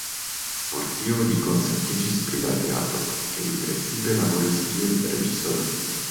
Por tio li koncentriĝis pri la teatro, kie li precipe laboris kiel reĝisoro.